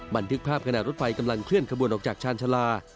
บันทึกภาพขณะรถไฟกำลังเคลื่อนขบวนออกจากชาญชาลา